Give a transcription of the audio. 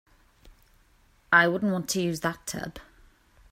I wouldn't want to use that tub.